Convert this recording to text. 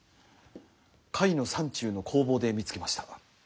甲斐の山中の工房で見つけました。